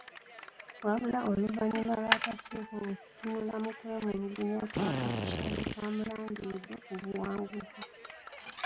Wabula oluvanyuma lw' akakiiko okutunula mukwemulugunya kwa Katushabe kamulangiriddde ku buwanguzi